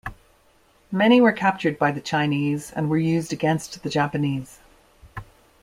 Many were captured by the Chinese and were used against the Japanese.